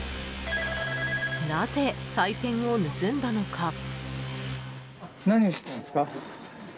なぜ、さい銭を盗んだのか。